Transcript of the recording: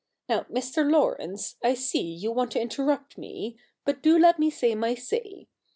Now, Mr. Laurence, I see you want to inter rupt me ; but do let me say my say.